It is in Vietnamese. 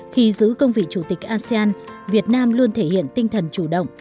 khi giữ công vị chủ tịch asean việt nam luôn thể hiện tinh thần chủ động